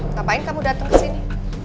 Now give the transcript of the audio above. ngapain kamu dateng kesini